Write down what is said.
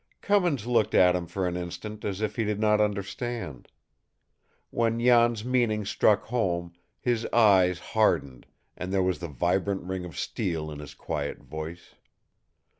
Cummins looked at him for an instant as if he did not understand. When Jan's meaning struck home, his eyes hardened, and there was the vibrant ring of steel in his quiet voice.